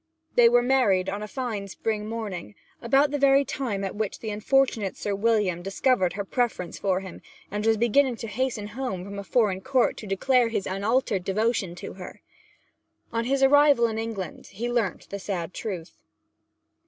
They were married on a fine spring morning, about the very time at which the unfortunate Sir William discovered her preference for him, and was beginning to hasten home from a foreign court to declare his unaltered devotion to her. On his arrival in England he learnt the sad truth.